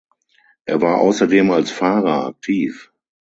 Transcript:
Er war außerdem als Fahrer aktiv.